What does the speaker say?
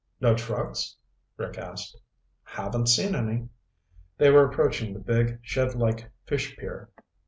"No trucks?" Rick asked. "Haven't seen any." They were approaching the big, shedlike fish pier.